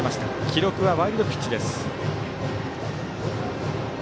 記録はワイルドピッチです。